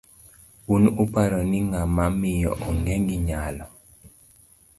Un uparo ni ng'ama miyo ong 'e gi nyalo?